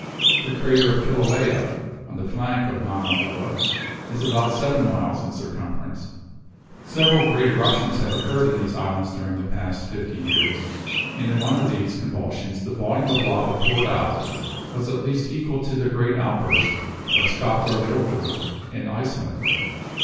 The crater of Kilauea, on the flank of Mauna Loa, is about seven miles in circumference. Several great eruptions have occurred in these islands during the past fifty years; and in one of these convulsions the volume of lava poured out was at least equal to the great outburst of Skaptar Jokul in Iceland.